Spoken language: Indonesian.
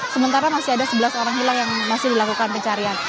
sementara masih ada sebelas orang hilang yang masih dilakukan pencarian